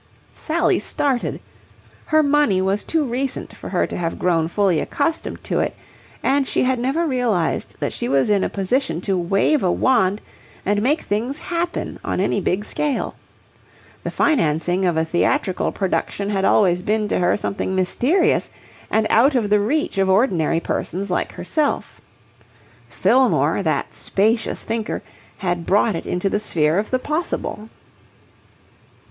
Sally started. Her money was too recent for her to have grown fully accustomed to it, and she had never realized that she was in a position to wave a wand and make things happen on any big scale. The financing of a theatrical production had always been to her something mysterious and out of the reach of ordinary persons like herself. Fillmore, that spacious thinker, had brought it into the sphere of the possible.